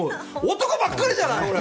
男ばかりじゃない！